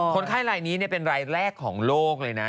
คนไข้รายนี้เป็นรายแรกของโลกเลยนะ